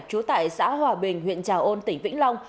trú tại xã hòa bình huyện trà ôn tỉnh vĩnh long